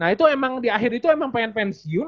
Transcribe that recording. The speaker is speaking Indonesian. nah itu emang di akhir itu emang pengen pensiun